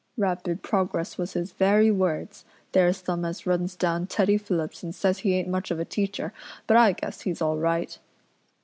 'Rapid progress' was his very words. There's them as runs down Teddy Phillips and says he ain't much of a teacher, but I guess he's all right."